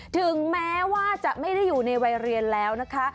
ถึงแม้ว่าจะไม่ได้อยู่ในวัยเรียนแล้วนะคะ